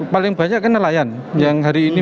paling banyak kan nelayan yang hari ini